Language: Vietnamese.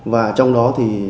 và trong đó